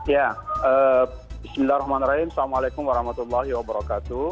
ya bismillahirrahmanirrahim assalamualaikum warahmatullahi wabarakatuh